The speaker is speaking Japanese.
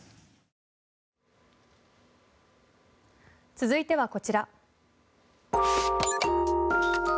続いてはこちら。